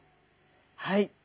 はい。